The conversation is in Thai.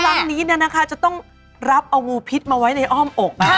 เพราะว่าครั้งนี้นะคะจะต้องรับเอามูพิษมาไว้ในอ้อมอกนะคะ